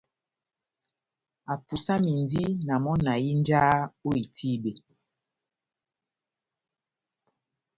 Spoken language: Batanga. Apusamindi na mɔ́ na hínjaha ó itíbe.